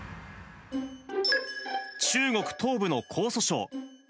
中国東部の江蘇省。